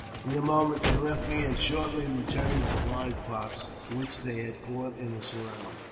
In a moment they left me, and shortly returned with a live fox, which they had caught in a surround.